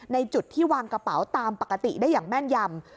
ในจุดที่วางกระเป๋าตามปกติได้อย่างแม่นยำ